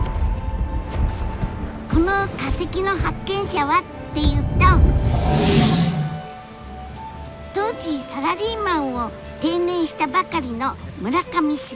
この化石の発見者はっていうと当時サラリーマンを定年したばかりの村上茂さん。